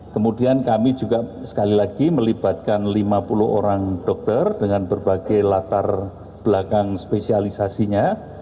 kemudian kami juga sekali lagi melibatkan lima puluh orang dokter dengan berbagai latar belakang spesialisasinya